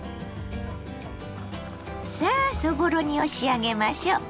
さあそぼろ煮を仕上げましょう。